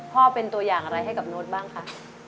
พ่อเป็นตัวอย่างอะไรให้กับโน้ตบ้างคะ